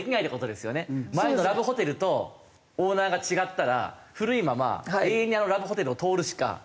前のラブホテルとオーナーが違ったら古いまま永遠にあのラブホテルを通るしか。